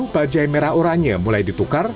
bajaj merah oranya mulai ditukar